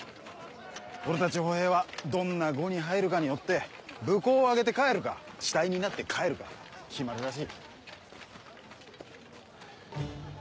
俺たち歩兵はどんな伍に入るかによって武功を挙げて帰るか死体になって帰るか決まるらしい。